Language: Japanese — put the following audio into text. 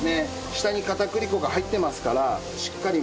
下に片栗粉が入ってますからしっかり混ぜて。